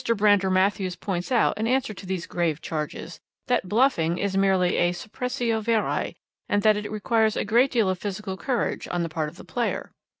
Brander Matthews points out, in answer to these grave charges, that Bluffing is merely a suppressio veri and that it requires a great deal of physical courage on the part of the player.